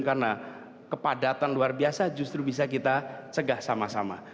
karena kepadatan luar biasa justru bisa kita cegah sama sama